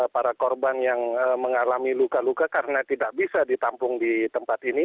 para korban yang mengalami luka luka karena tidak bisa ditampung di tempat ini